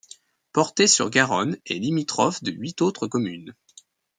Portet-sur-Garonne est limitrophe de huit autres communes.